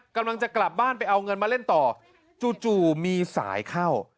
กำลังจะกลับบ้านไปเอาเงินมาเล่นต่อจู่มีสายเข้า